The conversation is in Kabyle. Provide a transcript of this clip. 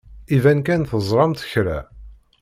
Iban kan teẓramt kra.